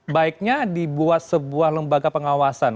baiknya dibuat sebuah lembaga pengawasan